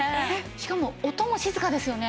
しかも音も静かですよね。